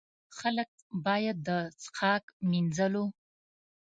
خلک باید د څښاک، مینځلو.